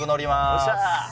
よっしゃ！